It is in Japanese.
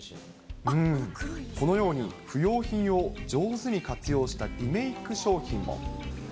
このように、不用品を上手に活用したリメイク商品も。